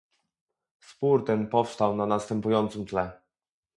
Spór ten powstał na następującym tle